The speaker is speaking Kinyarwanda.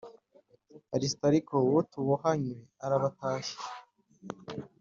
Arisitariko uwo tubohanywe arabatashya